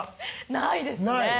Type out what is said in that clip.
ないですねない？